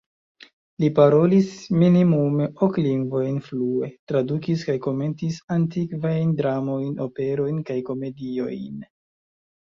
Li parolis minimume ok lingvojn flue, tradukis kaj komentis antikvajn dramojn, operojn kaj komediojn.